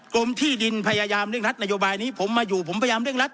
กรมที่ดินพยายามเร่งรัดนโยบายนี้ผมมาอยู่ผมพยายามเร่งรัด